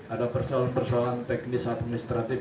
ada persoalan persoalan teknis administratif